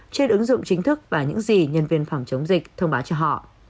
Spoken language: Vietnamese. trên ứng dụng chính thức và những gì nhân viên phòng chống dịch thông báo cho họ